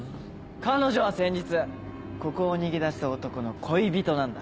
彼女は先日ここを逃げ出した男の恋人なんだ。